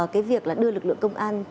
cái việc là đưa lực lượng công an